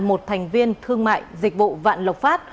một thành viên thương mại dịch vụ vạn lộc phát